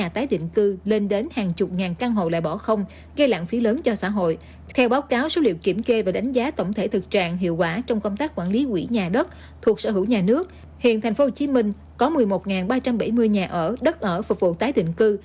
thành phố hồ chí minh có một mươi một ba trăm bảy mươi nhà ở đất ở phục vụ tái định cư